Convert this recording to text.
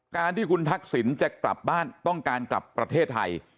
การที่คุณทักศิลป์จะกลับบ้านเบิ้ลกรรมกันกลับประเทศไทย